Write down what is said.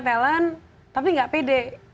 talent tapi nggak pede